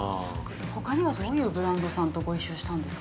◆ほかには、どういうブランドさんとご一緒したんですか。